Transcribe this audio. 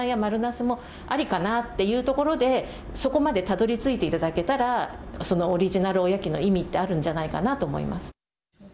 じゃあ野沢菜や丸なすもありかなというところで、そこまでたどり着いていただけたらオリジナルおやきの意味ってあるんじゃないかなと思います。